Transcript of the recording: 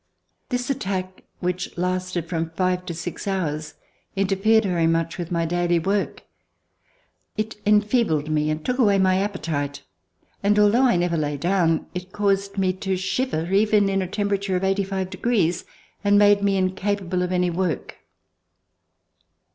This attack which lasted from five to six hours interfered very much with my daily work. It enfeebled me and took away my appetite, and, although I never lay down, it caused me to shiver even in a temperature of eighty five degrees, and made me incapable of any work.